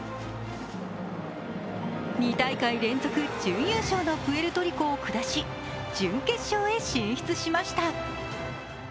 ２大会連続準優勝のプエルトリコを下し、準決勝へ進出しました。